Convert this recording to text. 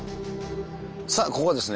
さあここはですね